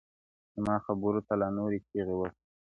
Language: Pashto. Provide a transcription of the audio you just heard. زما خبرو ته لا نوري چیغي وکړه.